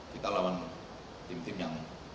kita lawan tim tim yang